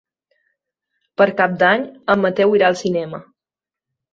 Per Cap d'Any en Mateu irà al cinema.